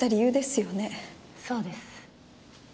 そうです。